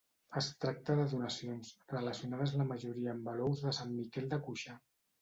Es tracta de donacions, relacionades la majoria amb alous de Sant Miquel de Cuixà.